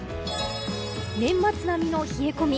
年末並みの冷え込み。